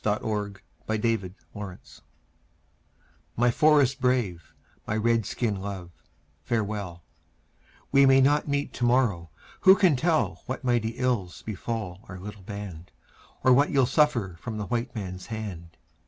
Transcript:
A CRY FROM AN INDIAN WIFE My forest brave, my Red skin love, farewell; We may not meet to morrow; who can tell What mighty ills befall our little band, Or what you'll suffer from the white man's hand?